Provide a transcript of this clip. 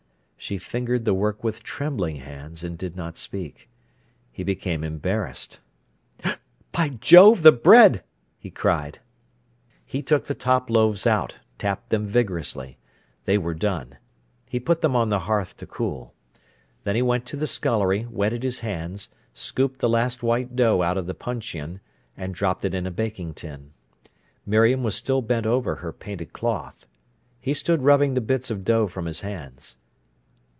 She fingered the work with trembling hands, and did not speak. He became embarrassed. "By Jove, the bread!" he cried. He took the top loaves out, tapped them vigorously. They were done. He put them on the hearth to cool. Then he went to the scullery, wetted his hands, scooped the last white dough out of the punchion, and dropped it in a baking tin. Miriam was still bent over her painted cloth. He stood rubbing the bits of dough from his hands.